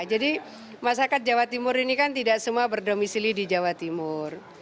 jadi masyarakat jawa timur ini kan tidak semua berdomisili di jawa timur